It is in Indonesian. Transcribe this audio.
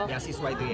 yang direngas di pro